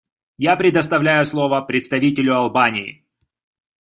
Я предоставляю слово представителю Албании.